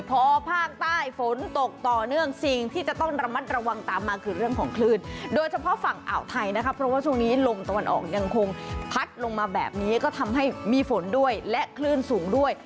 พอภาคใต้ฝนตกต่อเนื่องสิ่งที่จะต้องระมัดระวังตามมาคือเรื่องของคลื่นโดยเฉพาะฝั่งอ่าวไทยนะคะเพราะว่าช่วงนี้ลมตะวันออกยังคงพัดลงมาแบบนี้ก็ทำให้มีฝนด้วยและคลื่นสูงด้วย